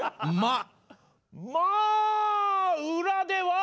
まあ裏では。